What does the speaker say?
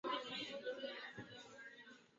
竟陵八友之一。